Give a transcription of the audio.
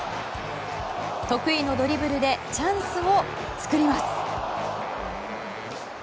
得意のドリブルでチャンスを作ります。